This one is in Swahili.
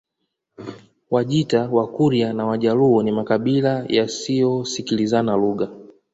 Wajita Wakurya na Wajaluo ni makabila yasiyosikilizana lugha